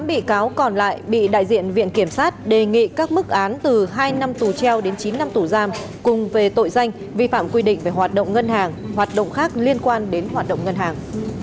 một mươi bị cáo còn lại bị đại diện viện kiểm sát đề nghị các mức án từ hai năm tù treo đến chín năm tù giam cùng về tội danh vi phạm quy định về hoạt động ngân hàng hoạt động khác liên quan đến hoạt động ngân hàng